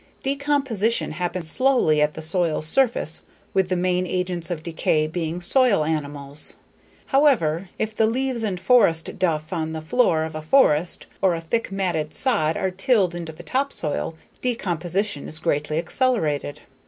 Decomposition happens slowly at the soil's surface with the main agents of decay being soil animals. However, if the leaves and forest duff on the floor of a forest or a thick matted sod are tilled into the topsoil, decomposition is greatly accelerated.